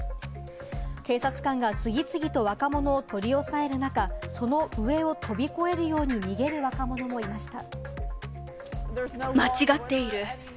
警察官が次々と若者を取り押さえる中、その上を飛び越えるように逃げる若者もいました。